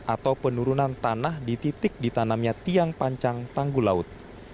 atau penurunan tanah di titik ditanamnya tiang pancang tanggul laut